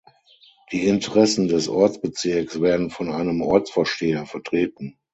Die Interessen des Ortsbezirks werden von einem Ortsvorsteher vertreten.